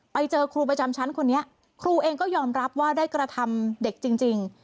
ไปเจอครูประจำชั้นคนนี้ครูเองก็ยอมรับว่าได้กระทำเด็กจริง